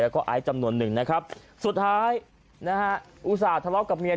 แล้วก็ไอซ์จำนวนหนึ่งนะครับสุดท้ายนะฮะอุตส่าห์ทะเลาะกับเมีย